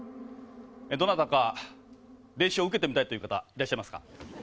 どなたか霊視を受けてみたい方いらっしゃいますか？